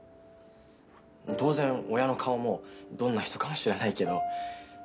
当然親の顔もどんな人かも知らないけど。